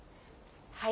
はい。